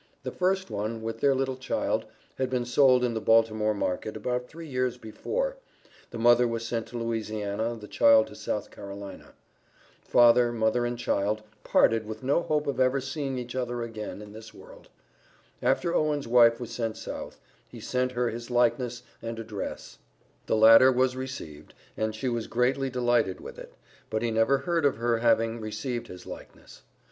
The first one, with their little child, had been sold in the Baltimore market, about three years before, the mother was sent to Louisiana, the child to South Carolina. Father, mother, and child, parted with no hope of ever seeing each other again in this world. After Owen's wife was sent South, he sent her his likeness and a dress; the latter was received, and she was greatly delighted with it, but he never heard of her having received his likeness.